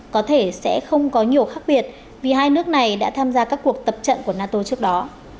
có thể sẽ không có nhiều khác biệt vì hai nước này đã tham gia các cuộc tập trận của nato trước đó